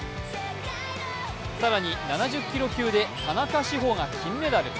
更に、７０キロ級で田中志歩選手が金メダル。